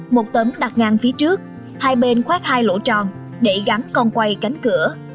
một tấm đặt ngang phía trước hai bên khoát hai lỗ tròn để gắn con quay cánh cửa